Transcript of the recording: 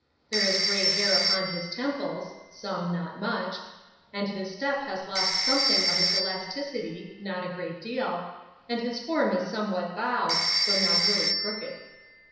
There is grey hair upon his temples (some, not much), and his step has lost something of its elasticity (not a great deal), and his form is somewhat bowed (though not really crooked).